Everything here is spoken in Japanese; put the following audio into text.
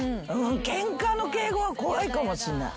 ケンカの敬語は怖いかもしんない。